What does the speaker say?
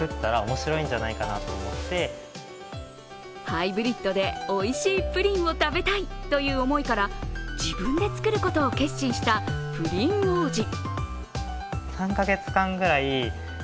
ハイブリッドでおいしいプリンを食べたいという思いから自分で作ることを決心したプリン王子。